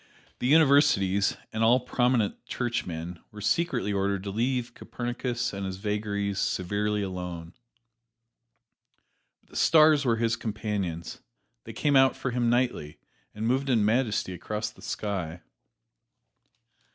The Universities and all prominent Churchmen were secretly ordered to leave Copernicus and his vagaries severely alone. But the stars were his companions they came out for him nightly and moved in majesty across the sky.